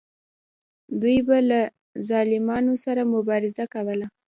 دوی به له ظالمانو سره مبارزه کوله.